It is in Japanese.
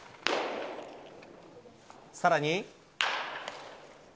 さらに。